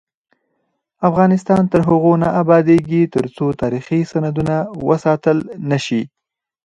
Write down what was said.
افغانستان تر هغو نه ابادیږي، ترڅو تاریخي سندونه وساتل نشي.